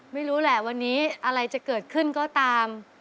ไม่รู้แหละวันนี้อะไรจะเกิดขึ้นก็ตาม